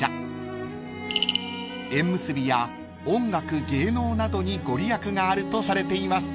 ［縁結びや音楽芸能などに御利益があるとされています］